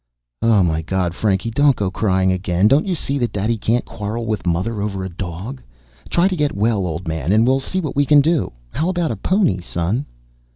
"Oh, my God, Frankie, don't go to crying again! Don't you see that Daddy can't quarrel with Mother over a dog? Try to get well, old man, and we'll see then what we can do. How about a pony, son?"